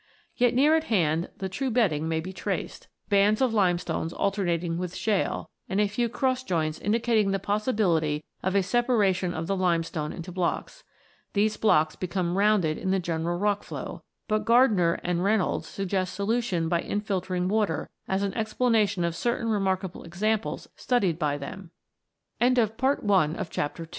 Yet near at hand the true bedding may be traced, bands of ii] THE LIMESTONES 29 limestone alternating with shale, and a few cross joints indicating the possibility of a separation of the limestone into blocks. These blocks become rounded in the general rock flow ; but Gardiner and Reynolds (11) suggest solution by infiltering water as an explanation of certain remarkable e